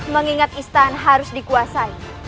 mengingat istana harus dikuasai